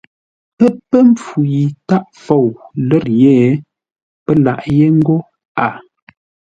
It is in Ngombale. Ə́ pə̂ mpfu yi tâʼ fou lə̌r yé, pə́ lâʼ yé ńgó a.